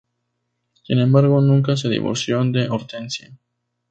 Sin embargo, nunca se divorció de Hortensia.